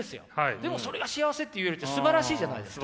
でもそれが幸せって言えるってすばらしいじゃないですか。